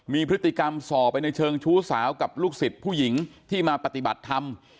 มีพฤติกรรมส่อไปในเชิงชู้สาวกับลูกศิษย์ผู้หญิงที่มาปฏิบัติธรรม